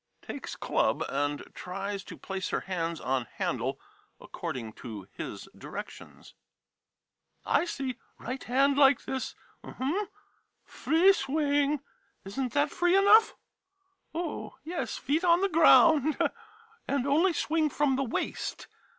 [Takes club and tries to place her hands on handle according to his directions. 1 I see — right hand like this — um hum. Free swing — is n't that free enough ? Oh, yes, feet on the ground, and only swing from the waist.